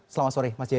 selamat sore mas jayadi